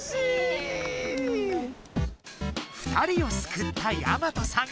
２人を救ったやまとさん